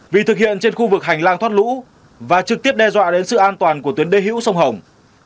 vì thực hiện trên khu vực hành lang thoát lũ và trực tiếp đe dọa đến sự an toàn của tuyến đê hữu sông hồng